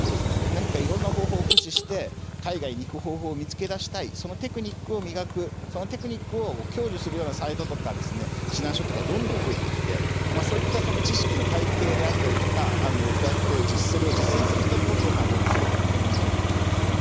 何かいろんな方法を駆使して海外に行く方法を見つけ出したいそのテクニックを磨くそのテクニックを教授するようなサイトとか指南書とかもどんどん増えてきてそういった知識の体系であったりとかそうやってそれを実践する人のことを潤学というふうになっているわけですね。